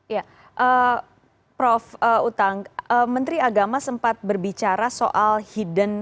ya prof utang menteri agama sempat berbicara soal hidden